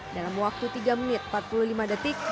dalam waktu tiga menit empat puluh lima detik